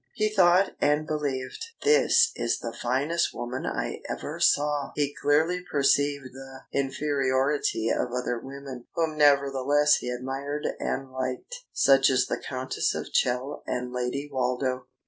He thought and believed: "This is the finest woman I ever saw!" He clearly perceived the inferiority of other women, whom nevertheless he admired and liked, such as the Countess of Chell and Lady Woldo.